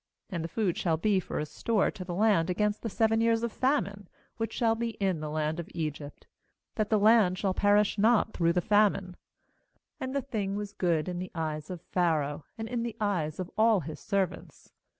^And the food shall be for a store to the land against the seven years of famine, which shall be in the land of Egypt; that the land perish not through the famine/ 37And the thing was good in the eyes of Pharaoh, and in the eyes of all his servants.